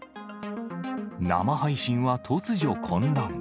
生配信は突如混乱。